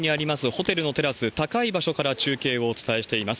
ホテルのテラス、高い場所から中継をお伝えしています。